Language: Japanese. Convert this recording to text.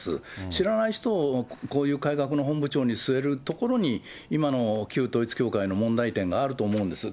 知らない人をこういう改革の本部長に据えるところに今の旧統一教会の問題点があると思うんです。